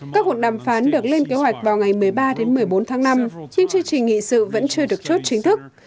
các cuộc đàm phán được lên kế hoạch vào ngày một mươi ba đến một mươi bốn tháng năm nhưng chương trình nghị sự vẫn chưa được chốt chính thức